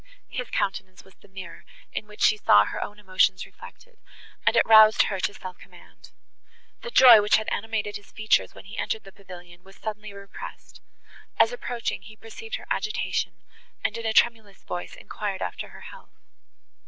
His countenance was the mirror, in which she saw her own emotions reflected, and it roused her to self command. The joy, which had animated his features, when he entered the pavilion, was suddenly repressed, as, approaching, he perceived her agitation, and, in a tremulous voice, enquired after her health.